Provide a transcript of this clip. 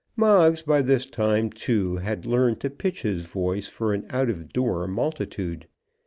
Moggs by this time, too, had learned to pitch his voice for an out of door multitude.